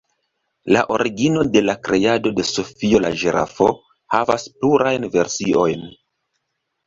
La origino de la kreado de "Sofio la ĝirafo" havas plurajn versiojn.